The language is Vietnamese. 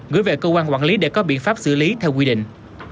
gửi về cơ quan quản lý để có biện pháp xử lý theo quy định